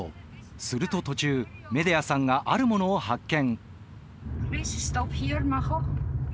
すると途中メデアさんがあるものを発見。